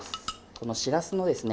このしらすのですね